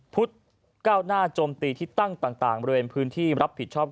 พุทธก้าวหน้าโจมตีที่ตั้งต่างบริเวณพื้นที่รับผิดชอบ